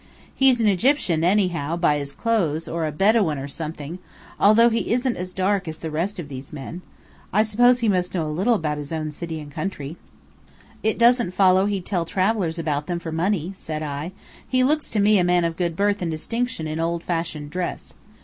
He's an Egyptian, anyhow, by his clothes, or a Bedouin or something although he isn't as dark as the rest of these men. I suppose he must know a little about his own city and country." "It doesn't follow he'd tell travellers about them for money," said I. "He looks to me a man of good birth and distinction in old fashioned dress.